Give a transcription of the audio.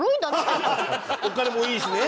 お金もいいしね。